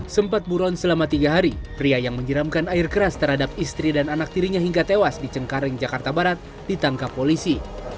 sempat buron selama tiga hari pria yang menyiramkan air keras terhadap istri dan anak tirinya hingga tewas di cengkareng jakarta barat ditangkap polisi